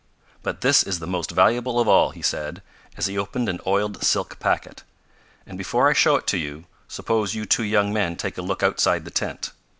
"But this is the most valuable of all," he said, as he opened an oiled silk packet. "And before I show it to you, suppose you two young men take a look outside the tent."